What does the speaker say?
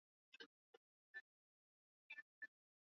Yeye ni bibi yangu